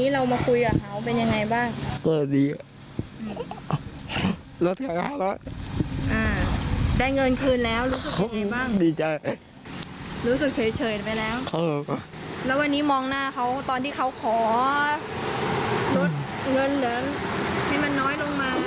แล้ววันนี้มองหน้าเขาตอนที่เขาขอลดเงินเหลืองให้มันน้อยลงมา